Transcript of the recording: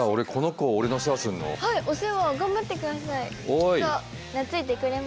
きっと懐いてくれますよ。